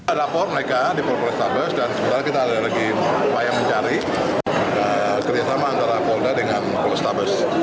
ada por mereka di polestabes dan kita ada lagi upaya mencari kerjasama antara polda dengan polestabes